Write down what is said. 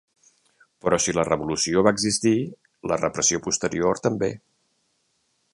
Però si la revolució va existir, la repressió posterior també.